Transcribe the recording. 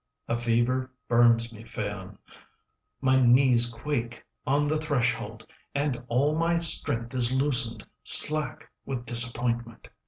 A fever burns me, Phaon; 5 My knees quake on the threshold, And all my strength is loosened, Slack with disappointment.